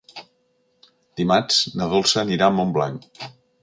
Dimarts na Dolça anirà a Montblanc.